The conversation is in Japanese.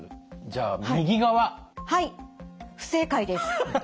じゃあはい不正解です。